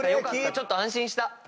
ちょっと安心した。